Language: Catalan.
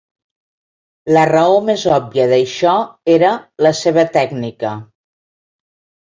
La raó més òbvia d'això era la seva tècnica.